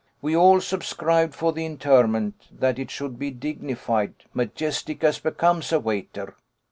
We all subscribed for the interment, that it should be dignified majestic as becomes a waiter."